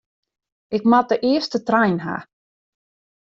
Ik moat de earste trein ha.